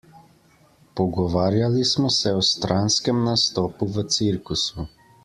Pogovarjali smo se o stranskem nastopu v cirkusu.